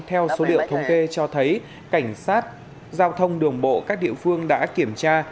theo số liệu thống kê cho thấy cảnh sát giao thông đường bộ các địa phương đã kiểm tra